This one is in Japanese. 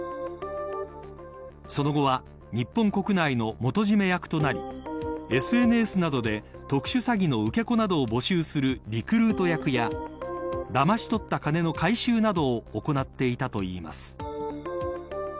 その後は日本国内の元締役となりＳＮＳなどで特殊詐欺の受け子などを募集するリクルート役やだまし取った金の回収などを行っていたといいます。